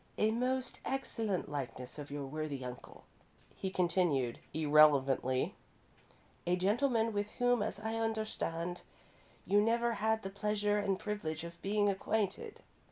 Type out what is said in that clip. "A most excellent likeness of your worthy uncle," he continued, irrelevantly, "a gentleman with whom, as I understand, you never had the pleasure and privilege of becoming acquainted."